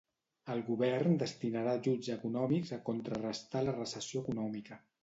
El govern destinarà ajuts econòmics a contrarestar la recessió econòmica.